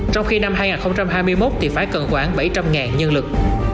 trong khi năm hai nghìn hai mươi một thì phải cần khoảng bảy trăm linh nhân lực